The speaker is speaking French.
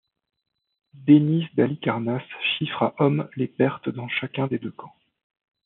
Denys d'Halicarnasse chiffre à hommes les pertes dans chacun des deux camps.